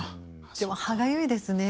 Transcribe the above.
でも歯がゆいですね。